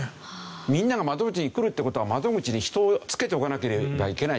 みんなが窓口に来るって事は窓口に人を付けておかなければいけないでしょ。